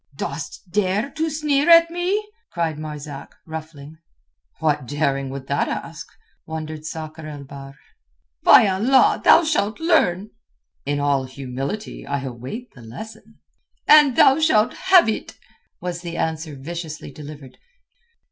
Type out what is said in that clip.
"Dost dare to sneer at me?" cried Marzak, ruffling. "What daring would that ask?" wondered Sakr el Bahr. "By Allah, thou shalt learn." "In all humility I await the lesson." "And thou shalt have it," was the answer viciously delivered.